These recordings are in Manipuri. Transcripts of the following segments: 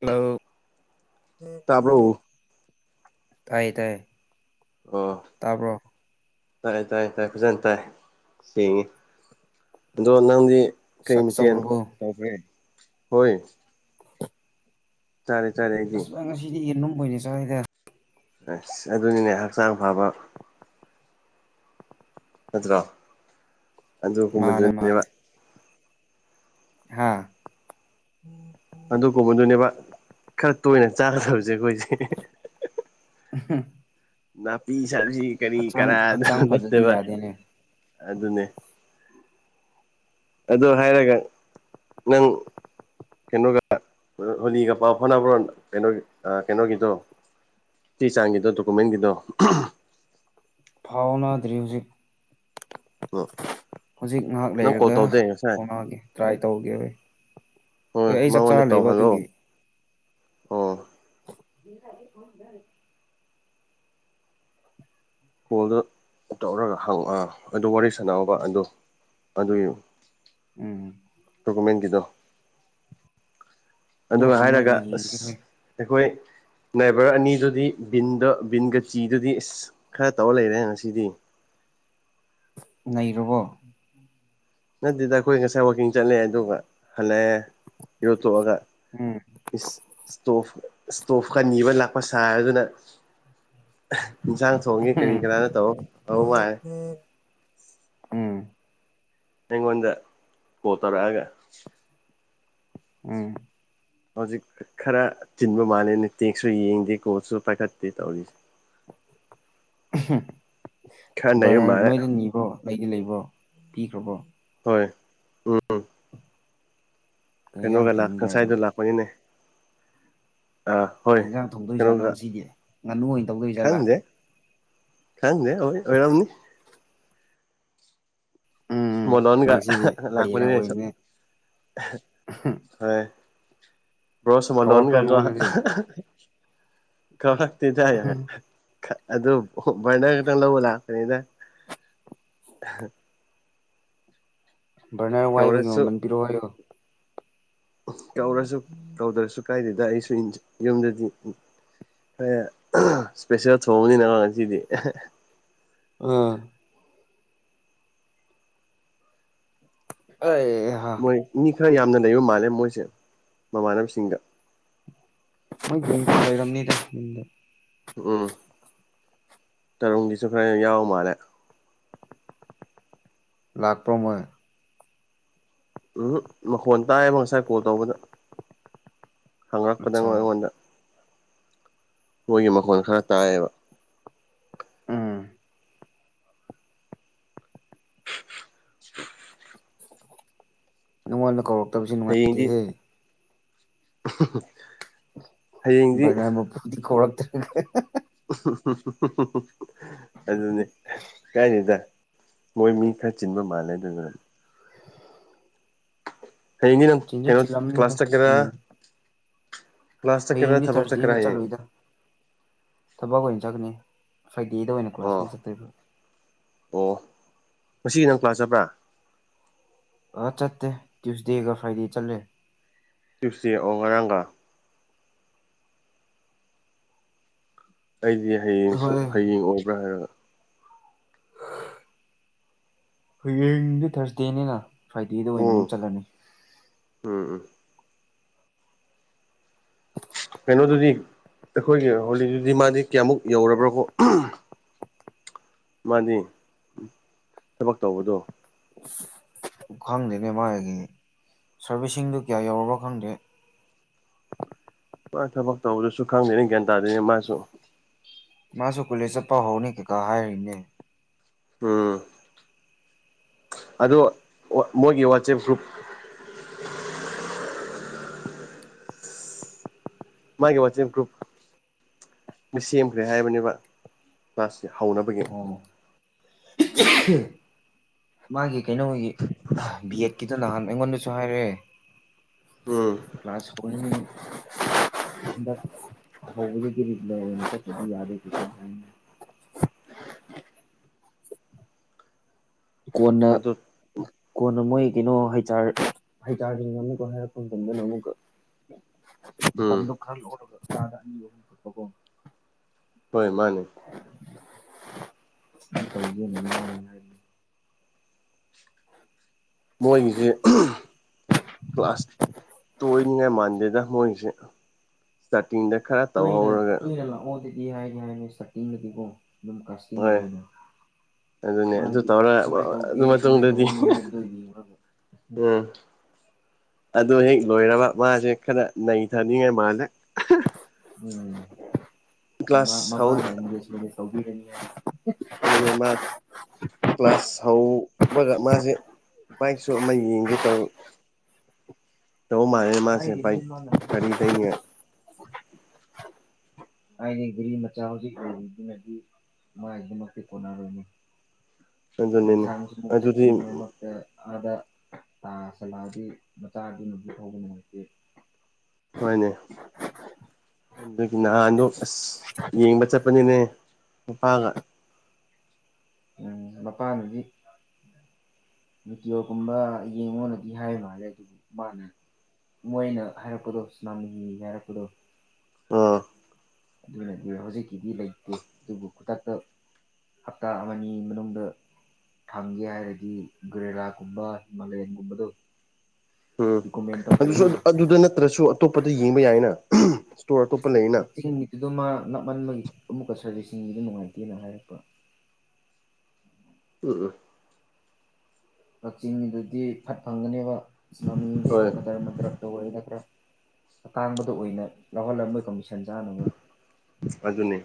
ꯍꯂꯣ ꯇꯥꯕ꯭ꯔꯣ ꯇꯥꯏꯌꯦ ꯇꯥꯏꯌꯦ꯫ ꯑꯣ꯫ ꯇꯥꯕ꯭ꯔꯣ ꯇꯥꯏ ꯇꯥꯏ ꯇꯥꯏ ꯐꯖꯅ ꯇꯥꯏ ꯁꯦꯡꯉꯤ ꯑꯗꯣ ꯅꯪꯗꯤ꯫ ꯀꯩ ꯆꯥꯛ ꯃꯊꯦꯜ ꯆꯧꯔꯕꯣ ꯇꯧꯒ꯭ꯔꯦ ꯍꯣꯏ ꯆꯥꯔꯦ ꯆꯥꯔꯦ ꯑꯩꯗꯤ ꯑ ꯉꯁꯤꯗꯤ ꯌꯦꯔꯨꯝ ꯑꯣꯏꯅ ꯆꯥꯏꯗ ꯑꯁ ꯑꯗꯨꯅꯤꯅꯦ ꯍꯛꯆꯥꯡ ꯐꯕ ꯅꯠꯇ꯭ꯔꯣ ꯃꯥꯅꯦ ꯑꯗꯨꯒꯨꯝꯕꯗꯨꯅꯦꯕ ꯍꯥꯥ ꯑꯗꯨꯒꯨꯝꯕꯗꯨꯅꯦꯕ ꯈꯔ ꯇꯣꯏꯅ ꯆꯥꯒꯗꯕꯖꯦ ꯑꯩꯈꯣꯏꯖꯦ ꯎꯝ ꯍꯥ ꯅꯥꯄꯤ ꯁꯕꯖꯤ ꯀꯔꯤ ꯀꯔꯥ ꯗꯨ ꯍꯛꯆꯥꯡ ꯐꯗꯗꯤ ꯅꯠꯇꯕ ꯌꯥꯗꯦꯅꯦ ꯑꯗꯨꯅꯦ ꯑꯗꯨ ꯍꯥꯏꯔꯒ ꯅꯪ ꯀꯩꯅꯣꯒ ꯍꯣꯂꯤꯒ ꯄꯥꯎ ꯐꯥꯎꯅꯕꯔꯣ ꯀꯩꯅꯣ ꯑ ꯀꯩꯅꯣꯒꯤꯗꯣ ꯆꯦ ꯆꯥꯡꯒꯤꯗꯣ ꯗꯣꯀꯨꯃꯦꯟꯒꯤꯗꯣ ꯐꯥꯎꯅꯗ꯭ꯔꯤ ꯍꯧꯖꯤꯛ ꯍꯧꯖꯤꯛ ꯉꯥꯏꯍꯥꯛ ꯅꯪ ꯀꯣꯜ ꯂꯩꯔꯒ ꯇꯧꯗꯦ ꯉꯁꯥꯏ ꯐꯥꯎꯅꯒꯦ ꯇ꯭ꯔꯥꯏ ꯇꯧꯒꯦ‌ ꯑꯩ ꯍꯣꯏ ꯑꯩ ꯃꯉꯣꯟꯗ ꯆꯥꯛꯆꯥꯔ ꯂꯩꯕ ꯇꯧꯍꯜꯂꯣ ꯑꯗꯨꯒꯤ ꯑꯣ [unintelligible] ꯀꯣꯜꯗꯨ ꯇꯧꯔꯒ ꯍꯪ ꯑ ꯑꯗꯨ ꯋꯥꯔꯤ ꯁꯥꯟꯅꯑꯣꯕ ꯑꯗꯨ ꯑꯗꯨꯒꯤ ꯎꯝ ꯗꯣꯀꯨꯃꯦꯟꯒꯤꯗꫭ ꯑꯗꯨ ꯑꯗꯨꯒ ꯍꯥꯏꯔꯒ ꯍꯪꯉꯒ ꯌꯦꯡꯒꯦ ꯑꯁ ꯍꯣꯏ ꯑꯩꯈꯣꯏ ꯅꯥꯏꯕꯔ ꯑꯅꯤꯗꯨꯗꯤ ꯕꯤꯟꯗꫭ ꯕꯤꯟꯒ ꯆꯤꯗꯨꯗꯤ ꯑꯁ ꯈꯔ ꯇꯧꯔ ꯂꯩꯔꯦꯅꯦ ꯉꯁꯤꯗꯤ ꯅꯩꯔꯕꯣ ꯅꯠꯇꯦꯗ ꯑꯩꯈꯣꯏ ꯉꯁꯥꯏ ꯋꯥꯛꯀꯤꯡ ꯆꯠꯂꯑꯦ ꯑꯗꯨꯒ ꯍꯜꯂꯛꯑꯦ ꯏꯔꯨꯊꫭꯛꯑꯒ ꯎꯝ ꯏꯁ ꯏꯁꯇꯣꯞ ꯏꯁꯇꯣꯞꯀ ꯅꯤꯕ ꯂꯥꯛꯄ ꯁꯥꯔꯗꯨꯅ ꯏꯟꯁꯥꯡ ꯊꯣꯡꯉꯤ ꯀꯔꯤ ꯀꯅꯥꯅꯣ ꯇꯧꯔ ꯇꯧꯃꯥꯜꯂꯦ [inaudible] ꯎꯝ ꯑꯩꯉꯣꯟꯗ ꯀꯣꯜ ꯇꯧꯔꯛꯑꯒ ꯎꯝ ꯍꯧꯖꯤꯛ ꯈꯔ ꯆꯤꯟꯕ ꯃꯥꯜꯂꯦꯅꯦ ꯇꯦꯛꯁꯨ ꯌꯦꯡꯗꯦ ꯀꯣꯜꯁꯨ ꯄꯥꯏꯈꯠꯇꯦ ꯇꯧꯔꯤꯁꯦ ꯈꯔ ꯅꯩꯕ ꯕꯔ ꯃꯥꯜꯂꯦ ꯅꯣꯏꯅ ꯅꯤꯕ꯭ꯔꯣ ꯑꯩꯒꯤ ꯂꯩꯕ꯭ꯔꯣ ꯄꯤꯈ꯭ꯔꯕꯣ ꯍꯣꯏ ꯎꯝ ꯀꯩ ꯌꯦꯟꯖꯥꯡ ꯀꯩꯅꯣꯒ ꯊꯣꯡꯗꯣꯏꯅꯣ ꯉꯁꯥꯏꯗꯣ ꯂꯥꯛꯄꯅꯤꯅꯦ ꯑꯥ ꯍꯣꯏ ꯍꯟꯖꯥꯡ ꯊꯣꯡꯗꯣꯏ ꯖꯥꯠꯣ ꯀꯩꯅꯣꯒ ꯉꯁꯤꯗꯤ ꯉꯥꯅꯨ ꯑꯣꯏꯅ ꯇꯧꯗꯣꯏ ꯖꯥꯠꯂꯥ ꯊꯪꯅꯦ ꯍꯣꯏ ꯑꯣꯏꯔꯝꯅꯤ ꯎꯝ ꯁꯃꯗꯅꯒ ꯅꯪꯁꯤꯗꯤ ꯂꯥꯛꯄꯅꯤ ꯕꯔꯤꯅ ꯑꯣꯏꯕꯅꯦ ꯍ ꯭ꯔ ꯁ ꯃꯗꯟ ꯀꯧꯔꯛꯇ꯭ꯔꯣ ꯀꯀ ꯅꯉꯣꯟꯗꯗꯤ ꯀ ꯇꯗꯒ ꯑꯗꯨ ꯅ ꯀꯇꯅꯧꯕꯂ ꯑꯗ ꯕꯔꯅ ꯋꯥꯏꯕꯒꯤ ꯀꯧꯔꯁꯨ ꯃꯃꯜ ꯄꯤꯔꯛꯑꯣ ꯍꯥꯏꯌꯣ ꯀꯧꯔꯁꯨ ꯀꯧꯗ꯭ꯔꯁꯨ ꯀꯥꯏꯗꯦꯗ ꯑꯩꯁꯨ ꯌꯨꯝꯗꯗꯤ ꯊꫭꯛꯑꯦ ꯏꯁꯄꯦꯁꯦꯜ ꯊꯣꯡꯕꯅꯤꯅꯕ ꯉꯁꯤꯗꯤ ꯑꯥ ꯑꯩ ꯍꯥ ꯍꯣꯏ ꯃꯤ ꯈꯔ ꯌꯥꯝꯅ ꯂꯩꯕ ꯃꯥꯜꯂꯦ ꯃꯣꯏꯁꯦ ꯃꯃꯥꯟꯅꯕꯁꯤꯡꯗ ꯃꯣꯏ ꯑꯗꯨꯝ ꯂꯩꯔꯝꯅꯤꯗ ꯌꯨꯝꯗ ꯎꯝ ꯇꯔꯨꯝꯒꯤꯁꯨ ꯈꯔ ꯌꯥꯎꯕ ꯃꯥꯜꯂꯦ ꯂꯥꯛꯄ꯭ꯔ ꯃꯣꯏ ꯎꯝ ꯃꯈꯣꯟ ꯇꯥꯏꯌꯦꯕ ꯉꯁꯥꯏ ꯀꯣꯜ ꯇꯧꯕꯗ ꯍꯉꯛꯄꯗ ꯑꯠꯆꯥ ꯑꯩꯉꯣꯟꯗ ꯃꯣꯏꯒꯤ ꯃꯈꯣꯟꯜ ꯈꯔ ꯇꯥꯏꯌꯦꯕ ꯑꯥ ꯅꯉꯣꯟꯅ ꯀ ꯍꯌꯦꯡꯗꯤ ꯍꯌꯦꯡꯗꯤ ꯔꯄꯗꯤ ꯀꯔ ꯇꯔ ꯑꯗꯨꯅꯦ ꯀꯥꯏꯅꯤꯗ ꯃꯣꯏ ꯃꯤ ꯈꯔ ꯆꯤꯟꯕ ꯃꯥꯜꯂꯦ ꯑꯗꯨꯗꯨꯅ ꯍꯒꯤ ꯅ ꯆꯤꯟꯁꯨ ꯀꯩꯅꯣ ꯀ ꯆꯤꯜꯂꯝꯅꯤꯗ ꯀ꯭ꯂꯥꯁ ꯇꯀꯦꯔ ꯎꯝ ꯀ꯭ꯂꯥꯁ ꯆꯠꯀ꯭ꯔꯗ ꯍꯌꯦꯡꯗꯤ ꯊꯕꯛ ꯊꯥꯔꯁꯗꯦꯅ ꯆꯠꯀ꯭ꯔꯌꯦ ꯆꯠꯂꯣꯏꯗ ꯊꯕꯛ ꯑꯣꯏꯅ ꯆꯠꯀꯅꯤ ꯐ꯭ꯔꯥꯏꯗꯦꯗ ꯑꯣꯏꯅ ꯑꯣ ꯀ꯭ꯂꯥꯁꯃꯨꯛ ꯆꯠꯇꯣꯏꯔꯤꯕ꯭ꯔꯥ ꯑꯣ ꯉꯁꯤꯒꯤ ꯅꯪ ꯂꯥꯛꯆꯕ꯭ꯔꯥ ꯑ ꯆꯠꯇꯦ ꯇ꯭ꯌꯨꯁꯗꯦꯒ ꯐ꯭ꯔꯥꯏꯗꯦ ꯆꯠꯂꯦ ꯆꯨꯞꯁꯦ ꯑꯣ ꯉꯔꯥꯡꯒ ꯑꯩꯗꯤ ꯍꯌꯦꯡꯁꯨ ꯍꯣꯏ ꯍꯌꯦꯡ ꯑꯣꯏꯕ꯭ꯔꯥ ꯍꯥꯏꯔꯒ ꯍꯌꯦꯡꯗꯤ ꯊꯔꯁꯗꯦꯅꯤꯅ ꯐ꯭ꯔꯥꯏꯗꯦꯗ ꯑꯣꯏꯅ ꯑꯃꯨꯛ ꯎꯝ ꯆꯠꯂꯅꯤ ꯎꯝ ꯎꯝ ꯀꯩꯅꯣꯗꯨꯗꯤ ꯑꯩꯈꯣꯏꯒꯤ ꯍꯣꯂꯤꯗꯨꯗꯤ ꯃꯥꯗꯤ ꯀꯌꯥꯃꯨꯛ ꯌꯧꯔꯕ꯭ꯔꯀꯣ ꯃꯥꯅꯦ ꯊꯕꯛ ꯇꯧꯕꯗꯣ ꯈꯪꯗꯦꯅꯦ ꯃꯥꯒꯤ ꯁꯥꯔꯕꯤꯁꯤꯡꯗꯨ ꯀꯌꯥ ꯌꯧꯔꯕ ꯈꯪꯗꯦ ꯃꯥꯣꯏ ꯊꯕꯛ ꯇꯧꯕꯗꯨꯁꯨ ꯈꯪꯗꯦꯅꯦ ꯒ꯭ꯌꯥꯟ ꯇꯥꯗꯣꯏꯅꯦ ꯃꯥꯁꯨ ꯃꯥꯁꯨ ꯀꯨꯂꯦꯖ ꯆꯠꯄ ꯍꯧꯔꯅꯤ ꯀꯩꯀꯥ ꯍꯥꯏꯔꯤꯅꯦ ꯎꯝ ꯑꯗꯣ ꯃꯣꯏꯒꯤ ꯋꯥꯆꯦꯞ ꯒ꯭ꯔꯨꯞ ꯃꯥꯒꯤꯦ ꯋꯥꯆꯤꯡ ꯭ꯔꯨꯞ ꯁꯦꯝꯈ꯭ꯔꯦ ꯍꯥꯏꯕꯅꯦꯕ ꯁꯤꯦ ꯍꯧꯅꯕꯒꯤ ꯃꯥꯒꯤ ꯀꯩꯅꯣꯒꯤ ꯕꯤ ꯑꯦꯠ ꯈꯤꯇ ꯅꯍꯥꯟ ꯑꯩꯉꯣꯟꯗꯁꯨ ꯍꯥꯏꯔꯛꯑꯦ ꯎꯝ ꯀ꯭ꯂꯁ ꯍꯩꯗ ꯍꯒꯦ ꯂ ꯌꯥꯗꯦ [unintelligible] ꯀꯣꯟꯅ ꯑꯗꯨ ꯀꯣꯟꯅ ꯃꯣꯏ ꯀꯩꯅꯣ ꯍꯩꯔ ꯍꯩꯆꯥꯥꯔꯗꯨꯅ ꯑꯃꯨꯛꯀ ꯍꯥꯏꯔꯛꯄ ꯃꯇꯝꯟꯗꯅ ꯑꯃꯨꯛꯀ ꯎꯝ ꯃꯇꯝꯗꯨꯣ ꯈꯔ ꯂꯧꯔꯒ ꯑꯥꯗ ꯑꯅꯤ ꯑꯍꯨꯝ ꯆꯠꯄꯀꯣ ꯍꯣꯏ ꯃꯥꯅꯦ ꯒꯤ [unintelligible] [inaudible] ꯃꯣꯏꯒꯤꯁꯤ ꯀ꯭ꯂꯥꯁ ꯇꯣꯏꯅꯤꯉꯥꯏ ꯃꯥꯟꯗꯦꯗ ꯃꯣꯏꯁꯦ ꯁꯔꯇꯤꯡꯗ ꯈꯔ ꯇꯧꯍꯧꯔꯒ ꯂ ꯗꯤ ꯍꯥꯏꯒꯦ ꯍꯥꯏꯥꯟꯃꯤ ꯁꯇꯤꯡꯗꯤꯕꯨꯣ ꯑꯗꯨꯝ ꯀꯁꯤꯡ ꯍꯣꯏ ꯑꯣꯏꯅ ꯑꯗꯨꯅꯦ ꯑꯗꯨ ꯃꯥꯁ ꯇꯧꯔ ꯀꯃꯥꯏ ꯑꯗꯨ ꯇꯧꯒꯦ ꯀꯃꯥꯏꯅ ꯃꯇꯨꯡꯗꯗꯤ ꯇꯧꯅꯤ ꯍꯥꯏꯕꯗꯣ ꯌꯦꯡꯉꯒ ꯎꯝ ꯑꯗꯨ ꯍꯦꯛ ꯂꯣꯏꯔꯕ ꯃꯥꯁꯦ ꯈꯔ ꯅꯩꯊꯅꯤꯡꯉꯥꯏ ꯃꯥꯜꯂꯦ ꯎꯝ ꯀ꯭ꯂꯥꯁ ꯍꯧ ꯃꯃꯥꯅꯗ ꯁꯤꯗꯤꯦ ꯇꯧꯕꯤꯔꯅꯤ ꯑꯗꯨꯅꯦꯕ ꯀ꯭ꯂꯥꯁ ꯍꯧꯕꯒ ꯃꯥꯁꯦ ꯕꯥꯏꯛꯁꯨ ꯑꯃ ꯌꯦꯡꯒꯦ ꯇꯧ ꯇꯧ ꯃꯥꯔ ꯃꯥꯁ ꯍꯥꯏꯔꯤꯕꯅꯤ ꯄꯥꯏꯛ ꯃꯥꯅ ꯀꯔꯤꯗꯩꯅꯤ ꯑꯩꯅ ꯒꯔꯤ ꯃꯆꯥ ꯍꯧꯖꯤꯛ ꯂꯩꯔꯤꯗꯨꯅꯗꯤ ꯃꯥꯒꯤꯗꯃꯛꯇꯤ ꯀꯣꯟꯅꯔꯣꯏꯅꯤ ꯌꯥꯝ ꯑꯗꯨꯅꯤꯅꯦ ꯁꯥꯡ ꯆꯠ ꯑꯗꯨꯗꯤ ꯃ [inaudible] ꯑꯥꯗ ꯇꯥꯁꯤꯜꯂꯛꯑꯗꯤ ꯃꯆꯥꯗꯤ ꯅꯨꯡꯄꯤꯠ ꯍꯧꯕ ꯅꯨꯡꯉꯥꯏꯇꯦ ꯍꯣꯏꯅꯦ ꯑꯗꯨꯒꯤ ꯅꯍꯥꯟꯗꯣ ꯑꯁ ꯌꯦꯡꯕ ꯆꯠꯄꯅꯤꯅꯦ ꯅꯨꯄꯥꯒ ꯎ ꯃꯄꯥꯟꯒꯤ ꯇꯑꯣꯒꯨꯝꯕ ꯌꯦꯡꯉꯅꯗꯤ ꯍꯥꯏ ꯃꯥꯜꯂꯦ ꯑꯗꯨꯕꯨ ꯃꯥꯅ ꯃꯣꯏꯅ ꯍꯥꯏꯔꯛꯄꯗꯣ ꯁꯅꯥꯃꯤꯍꯤ ꯍꯥꯏꯔꯛꯄꯗꯣ ꯑꯥ ꯑꯗꯨꯅꯗꯤ ꯍꯧꯖꯤꯛꯀꯤꯗꯤ ꯂꯩꯇꯦ ꯑꯗꯨꯕꯨ ꯈꯨꯗꯛꯇ ꯍꯞꯇꯥ ꯑꯃꯅꯤ ꯃꯅꯨꯡ ꯗ ꯊꯝꯒꯦ ꯍꯥꯏꯔꯗꯤ ꯒꯦꯔꯦꯂꯥꯒꯨꯝꯕ ꯍꯤꯃꯥꯂꯌꯥꯟꯒꯨꯝꯕꯗꯣ ꯎꯝ ꯔꯤꯀꯣꯃꯦꯟ ꯑꯗꯨꯁꯨ ꯇꯧꯔꯛꯏ ꯑꯗꯨꯗ ꯅꯠꯇ꯭ꯔꯁꯨ ꯑꯇꯣꯞꯄꯗ ꯌꯦꯡꯕ ꯌꯥꯏꯅ ꯏꯁꯇꯣꯔ ꯑꯇꯣꯞꯄ ꯂꯩꯅ ꯀꯛꯆꯤꯡ ꯃꯤꯠꯇꯨꯗ ꯃꯥ ꯅꯞꯃꯟꯕꯒꯤ ꯑꯃꯨꯛꯀ ꯁꯔꯕꯤꯁꯤꯡ ꯃꯤꯗꯨ ꯅꯨꯡꯉꯥꯏꯇꯦꯅ ꯍꯥꯏꯔꯛꯄ꯭ꯔꯥ ꯎꯝ [unintelligible] [inaudible] ꯎꯝ ꯎꯝ ꯀꯛꯆꯤꯡꯗꯨꯗꯤ ꯐꯠ ꯐꯪꯒꯅꯦꯕ ꯁꯤꯅꯃꯤꯌꯦꯡꯗꯩ ꯍꯣꯏ ꯈꯔ ꯀꯗꯏꯝ ꯅꯗ꯭ꯔ ꯇꯧꯔꯛ ꯑꯅ ꯈꯔ ꯑꯇꯥꯡꯕꯗ ꯑꯣꯏꯅ ꯂꯧꯍꯜꯂꯝꯕꯣꯏ ꯀꯃꯤꯁꯟ ꯆꯥꯅꯕ ꯑꯗꯨꯅꯤ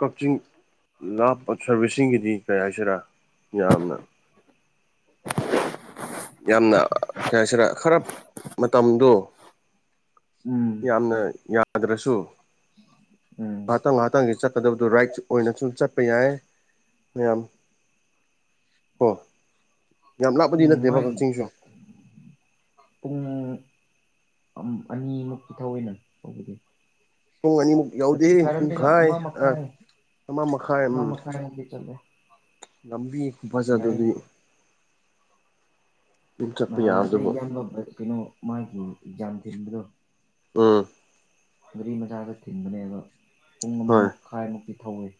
ꯀꯛꯆꯤꯡ ꯂꯥꯞꯄ ꯁꯥꯔꯕꯤꯁꯤꯡꯒꯤꯗꯤ ꯀꯩ ꯍꯥꯏꯁꯤꯔꯥ ꯌꯥꯝꯅ ꯌꯥꯝꯅ ꯀꯩ ꯍꯥꯏꯁꯤꯔ ꯈꯔ ꯃꯇꯝꯗꯣ ꯎꯝ ꯌꯥꯝꯅ ꯌꯥꯗ꯭ꯔꯁꯨ ꯎꯝ [unintelligible] [inaudible] ꯉꯍꯥꯛꯇꯪ ꯉꯍꯥꯛꯇꯪꯒꯤ ꯆꯠꯀꯗꯕꯗꯨꯣ ꯔꯥꯏꯠ ꯑꯣꯏꯅ ꯁꯨꯝ ꯆꯠꯄ ꯌꯥꯏ ꯃꯌꯥꯝ ꯍ [unintelligible] [inaudible] ꯎꯝ ꯃꯥꯒꯤ ꯄꯨꯡ ꯑꯅꯤꯃꯨꯛꯀꯤ ꯊꯑꯣꯏꯅ ꯇꯧꯕꯗꯤ ꯄꯨꯡ ꯑꯅꯤꯃꯨꯛ ꯌꯥꯎꯗꯦ ꯒꯥꯇꯤ ꯐꯔꯕꯅꯤꯅ ꯄꯨꯡꯈꯥꯏ ꯑꯃ ꯑ ꯃꯈꯥꯏ ꯑꯃ ꯃꯈꯥꯏ ꯎꯝ ꯑꯃ ꯃꯈꯥꯏꯃꯨꯛꯇꯤ ꯆꯠꯂꯦ ꯂꯝꯕꯤ ꯈꯨ ꯐꯥ ꯖꯗꯨꯗꯤ ꯌꯥꯏꯗ ꯑꯗꯨꯝ ꯆꯠꯄ ꯅꯍꯥꯟ ꯑꯩ ꯌꯥꯕꯗꯨꯕꯨ ꯌꯥꯝꯕ ꯀꯩꯅꯣ ꯃꯥꯒꯤ ꯑꯦꯛꯖꯥꯝ ꯊꯤꯟꯕꯗꯣ ꯎꯝ ꯒꯥꯔꯤ ꯃꯆꯥꯗ ꯊꯤꯟꯕꯅꯦꯕ ꯄꯨꯡ ꯑꯃ ꯍꯣꯏ ꯃꯈꯥꯏꯃꯨꯛꯛꯇꯤ ꯊꯧꯏꯤ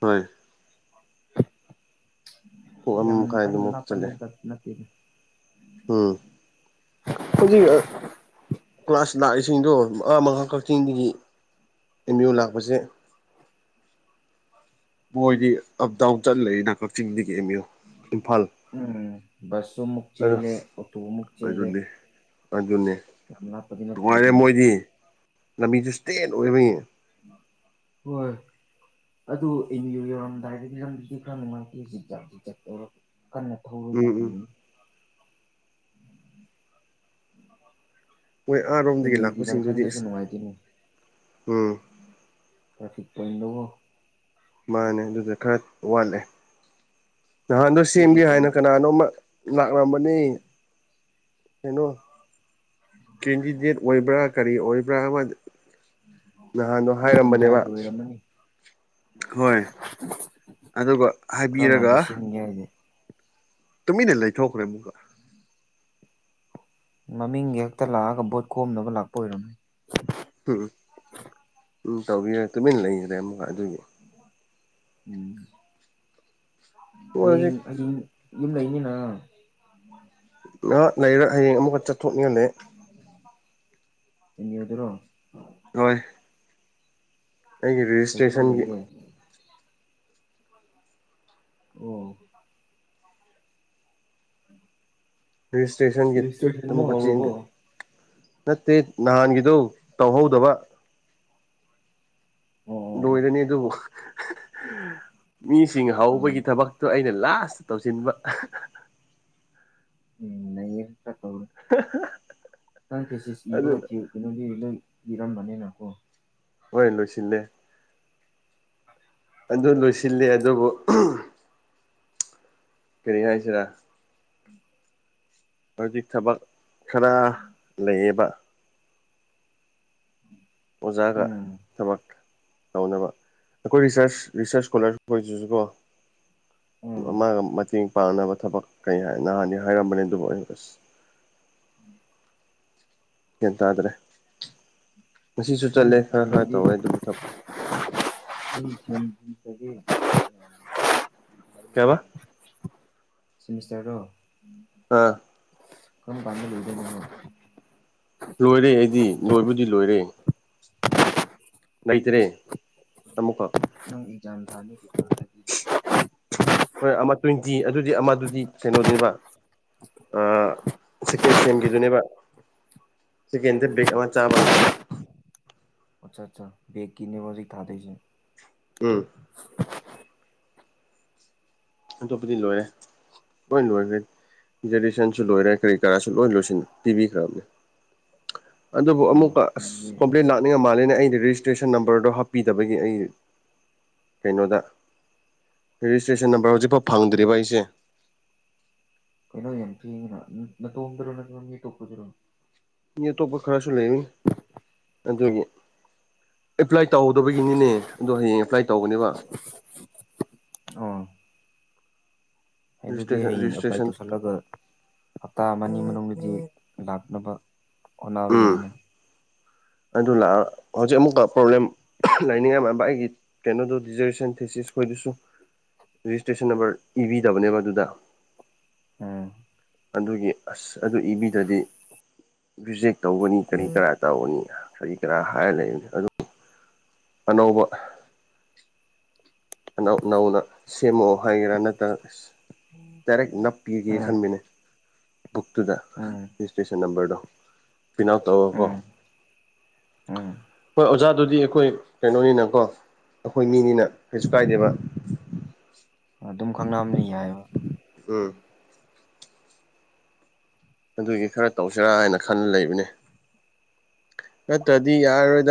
ꯍꯣꯏ ꯄꯨꯡ ꯑꯃ ꯌꯥꯝ ꯀꯥꯅ ꯃꯈꯥꯏꯗꯃꯨꯛ ꯂꯥꯛꯄ ꯆꯠꯂꯦ ꯅ ꯎꯝ ꯍꯧꯖꯤꯒ ꯀ꯭ꯂꯥꯁ ꯂꯥꯛꯏꯁꯤꯡꯗꯣ ꯃꯉꯥ ꯃꯉꯥ ꯀꯛꯆꯤꯡꯗꯒꯤ ꯑꯦꯝ ꯌꯨ ꯂꯥꯛꯄꯁꯦ ꯃꯣꯏꯗꯤ ꯑꯞ ꯗꯥꯎꯟ ꯆꯠꯂꯒꯂꯩꯌꯦꯅꯥ ꯀꯛꯆꯤꯡꯗꯒꯤ ꯑꯦꯝ ꯌꯨ ꯏꯝꯐꯥꯜ ꯎꯝ ꯕꯨꯁꯃꯨꯛ ꯑꯗ ꯆꯦꯂꯦ ꯑꯣꯇꯣꯃꯨꯛ ꯆꯦꯂꯦ ꯑꯗꯨꯅꯦ ꯑꯗꯨꯅꯦ ꯅꯨꯡꯉꯥꯏꯔꯦ ꯅꯠꯇꯦꯗ ꯃꯣꯏꯗꯤ ꯂꯝꯕꯤꯁꯨ ꯏꯁꯇ꯭ꯔꯦꯠ ꯑꯣꯏꯕꯒꯤ ꯍꯣꯏ ꯑꯗꯨ ꯑꯦꯝ ꯌꯨ ꯌꯧꯔꯝꯗꯥꯏꯗꯥꯒꯤ ꯂꯝꯕꯤꯗꯤ ꯈꯔ ꯅꯨꯡꯉꯥꯏꯇꯦ ꯈꯔꯥ ꯖꯤꯛ ꯖꯥꯛ ꯖꯤꯛ ꯖꯥꯛ ꯇꯧꯔꯦ ꯀꯟꯅ ꯊꯔꯗꯤ ꯎꯝ ꯎꯝ ꯀꯤꯒꯥꯅꯤ ꯑ ꯃꯣꯏ [unintelligible] [inaudible] ꯑꯥꯔꯣꯝꯗꯒꯤ ꯂꯥꯛꯄꯁꯤꯡꯗꯨꯗꯤ ꯑꯦꯃꯌꯨꯒꯤꯖꯪꯈꯥꯟꯗꯁꯨ ꯑꯁ ꯅꯨꯡꯉꯥꯏꯒꯅꯤ ꯎꯝ ꯇ ꯐꯤꯛ ꯄꯣꯏꯟ ꯅꯕꯣ ꯃꯥꯅꯦ ꯑꯗꯨꯁꯨ ꯈꯔ ꯋꯥꯠꯂꯦ ꯅꯍꯥꯟꯗꯣ ꯑꯩ ꯁꯦꯝꯒꯦ ꯍꯥꯏꯅ ꯑꯩꯅ ꯀꯅꯥꯅꯣꯝꯃ ꯂꯥꯛꯂꯝꯕꯅꯤ ꯀꯩꯅꯣ ꯀꯦꯟꯗꯤꯗꯦꯠ ꯑꯣꯏꯕ꯭ꯔꯥ ꯀꯔꯤ ꯑꯣꯏꯕ꯭ꯔꯥ ꯅꯍꯥꯟꯗꯣ ꯃꯣꯏ ꯍꯥꯏꯔꯝꯕꯅꯦꯕ ꯀꯨꯟꯗ꯭ꯔꯥꯒꯤ ꯑꯣꯏꯔꯝꯃꯅꯤ ꯍꯣꯏ ꯑꯗꯨꯒ ꯍꯥꯏꯕꯤꯔꯒ ꯏꯔꯒꯦ ꯇꯨꯃꯤꯟꯅ ꯂꯩꯊꯣꯛꯈ꯭ꯔꯦ ꯑꯃꯨꯛꯒ ꯃꯃꯤꯡꯒꯤ ꯍꯦꯛꯇ ꯂꯥꯛꯑꯒ ꯕꯣꯠ ꯀꯣꯝꯅꯕ ꯂꯥꯛꯄ ꯑꯣꯏꯔꯝꯃꯦ ꯎꯝ ꯎꯝ ꯇꯧꯕꯤꯔ ꯇꯨꯃꯤꯟ ꯂꯩꯈ꯭ꯔꯦ ꯑꯃꯨꯛꯀ ꯑꯗꯨꯒꯤ ꯑ ꯑꯩ ꯍꯧꯖꯤꯛ ꯑꯩ ꯌꯨꯝ ꯂꯩꯅꯤ ꯅ ꯅ ꯂꯩꯔꯣꯏ ꯍꯌꯦꯡ ꯑꯃꯨꯛꯀ ꯆꯠꯊꯣꯛꯅꯤꯡꯉꯥꯏ ꯂꯩꯌꯤ ꯑꯦꯝ ꯌꯨ ꯗꯔꯣ ꯍꯣꯏ ꯑꯩꯒꯤ ꯀꯩ ꯊꯕꯛ ꯔꯦꯖꯤꯁꯇ꯭ꯔꯦꯁꯟꯒꯤ ꯂꯩꯒꯦ ꯑꯣ ꯎꯝ ꯔꯦꯖꯤꯁꯇ꯭ꯔꯦꯁꯟꯒꯤ ꯑꯃꯨꯛꯀ ꯍꯧꯔꯕꯣ ꯆꯦꯟꯒꯦ ꯅꯠꯇꯦ ꯅꯍꯥꯟꯒꯤꯗꯣ ꯇꯧꯍꯧꯗꯕ ꯑꯣ ꯑꯣ ꯂꯣꯏꯔꯥꯅꯤ ꯑꯗꯨꯕꯨ ꯃꯤꯁꯤꯡ ꯑꯣ ꯍꯧꯕꯒꯤ ꯊꯕꯛꯇꯣ ꯑꯩ ꯑꯩꯅ ꯂꯥꯁꯇ ꯇꯧꯁꯤꯟꯕ ꯎꯝ ꯅꯩꯌꯦ ꯈ ꯇꯧꯔ ꯅꯪ ꯊꯤꯖꯤꯁ ꯏꯕꯒ ꯑꯗꯨꯅ ꯂꯣꯏꯈꯤ ꯀꯩꯅꯣꯗꯤ ꯂꯩꯏ ꯏꯔꯝꯕꯅꯤ ꯅ ꯀꯣ ꯍꯣꯏ ꯂꯣꯏꯁꯤꯜꯂꯦ ꯑꯗꯨ ꯂꯣꯏꯁꯤꯜꯂꯤ ꯑꯗꯨꯕꯨ ꯀꯔꯤ ꯍꯥꯏ ꯁꯤꯔꯥ ꯎꯝ [unintelligible] ꯊꯕꯛ ꯈꯔ ꯂꯩꯌꯦꯕ ꯑꯣꯖꯥꯒ ꯎꯝ ꯊꯕꯛ ꯇꯧꯅꯕ ꯑꯩꯈꯣꯏ ꯔꯤꯁꯔꯁ ꯔꯤꯁꯔꯁ ꯏꯁꯀꯣꯂꯔ ꯑꯣꯏꯁꯤꯁꯨ ꯀꯣ ꯎꯝ ꯑꯃꯒ ꯃꯇꯦꯡ ꯄꯥꯡꯅꯕ ꯊꯕꯛ ꯀꯔꯤ ꯍꯥꯏ ꯅꯍꯥꯟꯗꯤ ꯍꯥꯏꯔꯝꯕꯅꯤ ꯑꯗꯨꯕꯨ ꯑꯩ ꯑꯁ ꯎꯝ ꯒ꯭ꯌꯥꯟ ꯇꯥꯗ꯭ꯔꯦ ꯉꯁꯤꯁꯨ ꯆꯠꯂꯦ ꯈꯔ ꯈꯔ ꯇꯧꯋꯦ ꯑꯗꯨꯕꯨ ꯊꯥꯕꯛ ꯎ ꯎ ꯍꯒꯦ ꯀꯩꯕ ꯁꯤꯃꯤꯁꯇꯔꯗꯣ ꯑꯥ ꯀꯔꯝ ꯀꯟꯗ ꯂꯣꯏꯗꯣꯏꯕ ꯂꯣꯏꯔꯦ ꯑꯩꯗꯤ ꯂꯣꯏꯕꯨꯗꯤ ꯂꯣꯏꯔꯦ ꯉꯩꯇꯔꯦ ꯑꯃꯨꯀꯣ ꯅꯪ ꯑꯦꯛꯖꯥꯝ ꯊꯥꯅꯤꯗꯤ ꯍꯣꯏ ꯑꯃ ꯇ꯭ꯋꯦꯟꯇꯤ ꯑꯗꯨꯗꯤ ꯑꯃ ꯑꯗꯨꯗꯤ ꯀꯩꯅꯣꯅꯦꯕ ꯁꯤꯀꯦꯟ ꯁꯦꯝꯒꯤꯗꯨꯅꯦꯕ ꯁꯤꯀꯦꯟꯗꯥ ꯕꯦꯛ ꯑꯃ ꯆꯥꯕꯒꯤ ꯑꯠꯆꯥ ꯑꯠꯆꯥꯥ ꯕꯦꯛꯀꯤ ꯅꯦꯕꯖꯤꯛ ꯊꯥꯗꯣꯏꯁꯦ ꯎꯝ ꯑꯇꯣꯞꯄꯗꯤ ꯂꯣꯏꯔꯦ ꯍꯣꯏ ꯂꯣꯏ [unintelligible] [unintelligible] ꯁꯟꯁꯨ ꯂꯣꯏꯔꯦ ꯀꯔꯤ ꯀꯔꯥꯁꯨ ꯂꯣꯏ ꯂꯣꯏꯁꯤꯟ ꯄꯤꯕꯤꯈ꯭ꯔꯕꯅꯦ ꯑꯗꯨꯕꯨ ꯑꯣ ꯑꯃꯨꯛꯀ ꯑꯗꯨꯗꯤ ꯀꯣꯝꯄ꯭ꯂꯦꯟ ꯂꯥꯛꯅꯤꯡꯉ ꯃꯥꯜꯂꯦꯅꯦ ꯑꯩꯗꯤ ꯔꯦꯖꯤꯁꯇ꯭ꯔꯦꯁꯟ ꯅꯝꯕꯔꯗꯣ ꯍꯥꯞꯄꯤꯗꯕꯒꯤ ꯑꯩ ꯀꯩꯅꯣꯗ ꯔꯦꯖꯤꯁꯇ꯭ꯔꯦꯁꯟ ꯅꯝꯕꯔ ꯍꯧꯖꯤꯛꯐꯥꯎ ꯐꯪꯗ꯭ꯔꯤꯕ ꯑꯩꯁꯦ ꯀꯩꯅꯣ ꯌꯥꯝ ꯊꯦꯡꯉꯤꯅ ꯅꯇꯣꯝꯗꯔꯣ ꯅꯠꯇ꯭ꯔꯒ ꯃꯤꯑꯇꯣꯞꯄꯗꯨꯔꯣ ꯃꯤ ꯑꯇꯣꯞꯄ ꯈꯔꯁꯨ ꯂꯩꯔꯤ ꯑꯗꯨꯒꯤ ꯑꯦꯄ꯭ꯂꯥꯏ ꯇꯧꯍꯧꯗꯕꯥꯒꯤꯅꯤꯅꯦ ꯑꯗꯣ ꯍꯌꯦꯡ ꯑꯦꯄ꯭ꯂꯥꯏ ꯇꯧꯒꯅꯦꯕ ꯑꯣ [unintelligible] ꯔꯦꯖꯤꯁꯇ꯭ꯔꯦꯁꯟ ꯍꯌꯦꯡ ꯑꯦꯄ꯭ꯂꯥꯏ ꯔꯦꯖꯤꯁꯇ꯭ꯔꯦꯁꯟ ꯇꯧꯁꯤꯜꯂꯒ ꯍꯞꯇꯥ ꯑꯃꯅꯤ ꯃꯅꯨꯡꯗꯗꯤ ꯂꯥꯛꯅꯕ ꯍꯣꯠꯅ ꯎꯝ ꯌꯍꯥꯏꯅ ꯑꯗꯨ ꯂꯥꯛꯑ ꯍꯧꯖꯤꯛ ꯑꯃꯨꯛꯀ ꯄ꯭ꯔꯣꯕ꯭ꯂꯦꯝ ꯂꯥꯏꯅꯤꯡꯉꯥꯏ [unintelligible] ꯀꯩꯅꯣꯗꯣ ꯗꯤꯖꯔꯦꯁꯟ ꯊꯦꯁꯤꯁ ꯈꯣꯏꯗꯨꯁꯨ ꯔꯦꯖꯤꯁꯇ꯭ꯔꯦꯁꯟ ꯅꯝꯕꯔ ꯏꯕꯤꯗꯕꯅꯦꯕꯗꯨꯗ ꯎꯝ ꯑꯗꯨꯒꯤ ꯑꯁ ꯑꯗꯨ ꯏꯕꯤꯗ꯭ꯔꯗꯤ ꯔꯤꯖꯦꯛ ꯇꯧꯒꯅꯤ ꯀꯔꯤ ꯀꯔꯥ ꯇꯧꯅꯤ ꯀꯔꯤ [unintelligible] ꯑꯅꯧꯕ ꯅꯧ ꯅꯧꯅ ꯁꯦꯝꯃꯛꯑꯣ ꯍꯥꯏꯒꯦꯔꯥ ꯅꯠꯇ꯭ꯔꯒ ꯗꯥꯏꯔꯦꯛ ꯅꯞ ꯄꯤꯒꯦ ꯎꯝ ꯈꯟꯕꯅꯦ ꯕꯨꯛꯇꯨꯗ ꯎꯝ ꯔꯦꯖꯤꯁꯇ꯭ꯔꯦꯁꯟ ꯅꯝꯕꯔꯗꯣ ꯐꯤꯅꯥꯎ ꯇꯧꯔ ꯀꯣ ꯎꯝ ꯎꯝ ꯍꯣꯏ ꯑꯣꯖꯥꯗꯨꯗꯤ ꯑꯩꯈꯣꯏ ꯀꯩꯅꯣꯅꯤꯅꯀꯣ ꯑꯩꯈꯣꯏ ꯃꯤꯅꯤꯅ ꯀꯩꯁꯨ ꯀꯥꯏꯗꯦꯕ ꯑꯗꯨꯝ ꯈꯪꯅꯝꯅꯤ ꯍꯥꯏꯕ ꯎꯝ ꯑꯗꯨꯒꯤ ꯈꯔ ꯇꯧꯁꯤꯔꯥ ꯍꯥꯏꯅ ꯈꯟꯅ ꯂꯩꯕꯅꯦ ꯅꯠꯇ꯭ꯔꯗꯤ ꯌꯥꯔꯔꯣꯏꯗ